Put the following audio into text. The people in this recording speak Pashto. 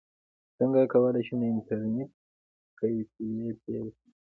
څنګه کولی شم د انټرنیټ کیفې پیل کړم